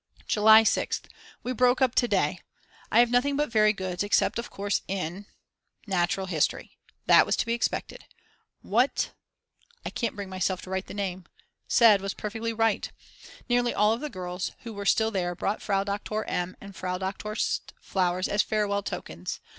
July 6th. We broke up to day. I have nothing but Very Goods, except of course in Natural History! That was to be expected. What (I can't bring myself to write the name) said was perfectly right. Nearly all the girls who were still there brought Frau Doktor M. and Frau Doktor St. flowers as farewell tokens.